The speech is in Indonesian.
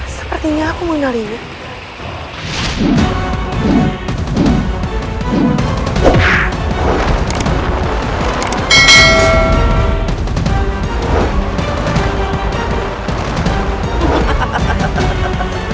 sepertinya aku mau nolinya